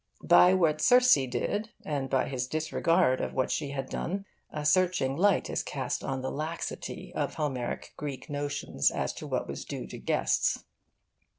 By what Circe did, and by his disregard of what she had done, a searching light is cast on the laxity of Homeric Greek notions as to what was due to guests.